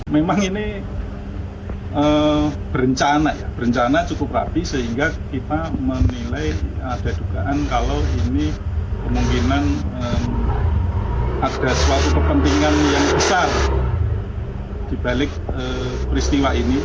memang ini berencana cukup rapi sehingga kita menilai ada dugaan kalau ini kemungkinan ada suatu kepentingan yang besar dibalik peristiwa ini